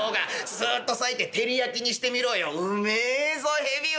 スッと裂いて照り焼きにしてみろようめえぞ蛇は。